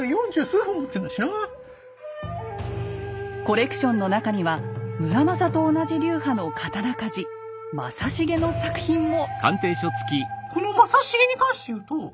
コレクションの中には村正と同じ流派の刀鍛冶正重の作品も。